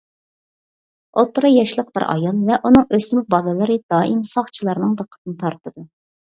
ئوتتۇرا ياشلىق بىر ئايال ۋە ئۇنىڭ ئۆسمۈر بالىلىرى دائىم ساقچىلارنىڭ دىققىتىنى تارتىدۇ.